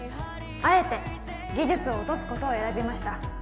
あえて技術を落とすことを選びました